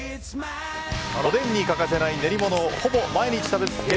おでんに欠かせない練り物をほぼ毎日食べ続け